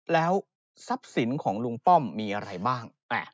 แล้วทรัพย์สินของลุงป้อมมีอะไรบ้าง